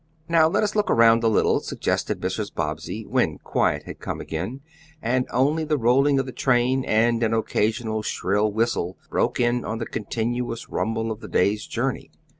"Now let us look around a little," suggested Mrs. Bobbsey, when quiet had come again, and only the rolling of the train and an occasional shrill whistle broke in on the continuous rumble of the day's journey.